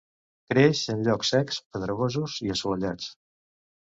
Creix en llocs secs, pedregosos i assolellats.